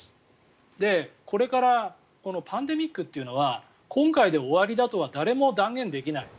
これからパンデミックというのは今回で終わりだとは誰も断言できない。